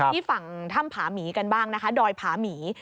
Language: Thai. ที่ฝั่งถ้ำผาหมีกันบ้างนะคะดอยผาหมี